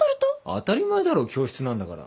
当たり前だろ教室なんだから。